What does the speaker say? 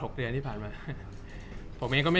จากความไม่เข้าจันทร์ของผู้ใหญ่ของพ่อกับแม่